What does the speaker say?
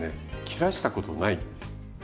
切らしたことない。